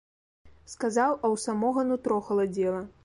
Сказаў, а ў самога нутро халадзела.